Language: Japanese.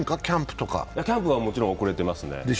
キャンプはもちろん遅れてますね。